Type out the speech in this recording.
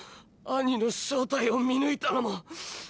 アニの正体を見抜いたのも。